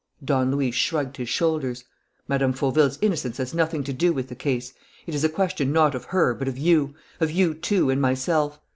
Don Luis shrugged his shoulders. "Mme. Fauville's innocence has nothing to do with the case. It is a question not of her, but of you, of you two and myself.